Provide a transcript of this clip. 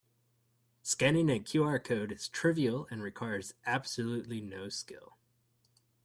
Scanning a QR code is trivial and requires absolutely no skill.